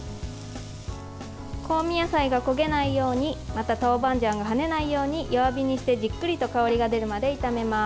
香味野菜が焦げないように、またトーバンジャンがはねないように弱火にして、じっくりと香りが出るまで炒めます。